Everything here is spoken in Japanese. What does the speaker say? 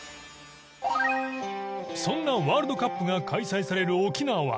そんなワールドカップが開催される沖縄。